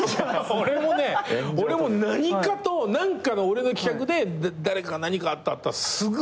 俺もね俺も何かと何かの俺の企画で誰かが何かあったすぐ俺つるし上げ。